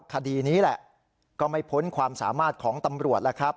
คดีนี้แหละก็ไม่พ้นความสามารถของตำรวจแล้วครับ